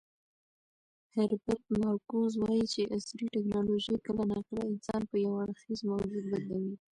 هربرت مارکوز وایي چې عصري ټیکنالوژي کله ناکله انسان په یو اړخیز موجود بدلوي.